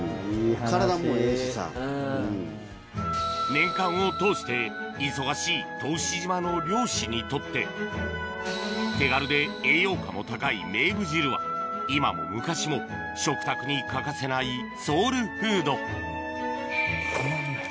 年間を通して忙しい答志島の漁師にとって手軽で栄養価も高いめーぶ汁は今も昔も食卓に欠かせないソウルフード止まんない。